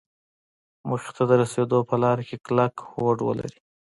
موخې ته د رسېدو په لاره کې کلک هوډ ولري.